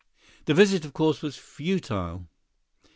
The visit of course was futile.